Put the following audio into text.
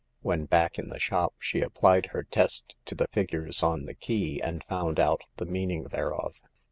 When back in the shop, she applied her test to the figures on the key, and found out the meaning thereof.